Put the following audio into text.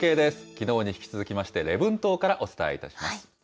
きのうに引き続きまして、礼文島からお伝えいたします。